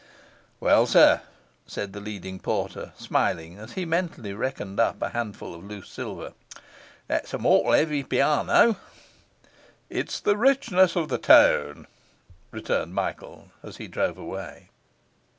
'Well, sir,' said the leading porter, smiling as he mentally reckoned up a handful of loose silver, 'that's a mortal heavy piano.' 'It's the richness of the tone,' returned Michael, as he drove away.